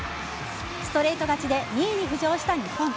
ストレート勝ちで２位に浮上した日本。